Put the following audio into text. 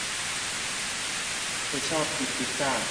เธอชอบกินพิซซ่า